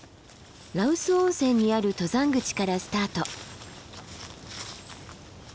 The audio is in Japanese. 羅臼温泉にある登山口からスタート。